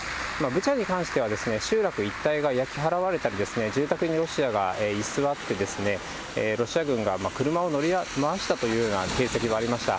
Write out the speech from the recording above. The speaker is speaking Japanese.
ブチャに関しては、集落一帯が焼け払われたり、住宅にロシアが居座って、ロシア軍が車を乗り回したという形跡がありました。